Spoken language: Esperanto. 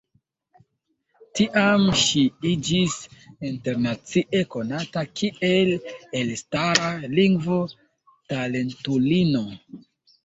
Tiam ŝi iĝis internacie konata kiel elstara lingvo-talentulino.